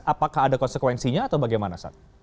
apakah ada konsekuensinya atau bagaimana saat